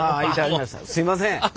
すいません。